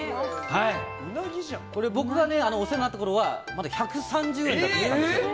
これ、僕がお世話になったころはまだ１３０円だったんですよ。